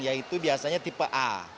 yaitu biasanya tipe a